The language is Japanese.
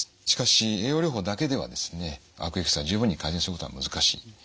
しかし栄養療法だけではですね悪液質が十分に改善することは難しい。